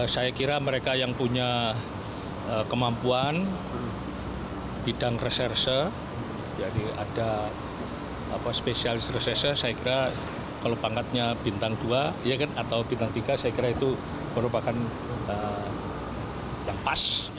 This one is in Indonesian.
saya kira mereka yang punya kemampuan bidang reserse jadi ada spesialis reses saya kira kalau pangkatnya bintang dua atau bintang tiga saya kira itu merupakan yang pas